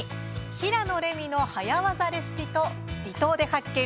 「平野レミの早わざレシピ！」と「離島で発見！